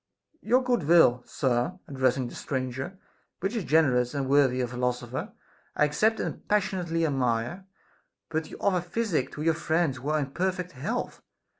Your good will, sir (addressing the stranger), which is generous and worthy a philosopher, I accept and passionately admire ; but you offer physic to your friends who are in perfect health!